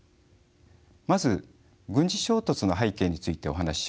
まず軍事衝突の背景についてお話しします。